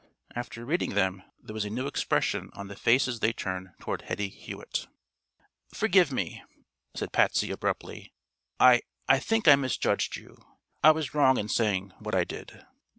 After reading them there was a new expression on the faces they turned toward Hetty Hewitt. "Forgive me," said Patsy, abruptly. "I I think I misjudged you. I was wrong in saying what I did."